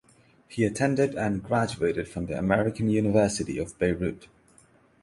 He attended and graduated from the American University of Beirut.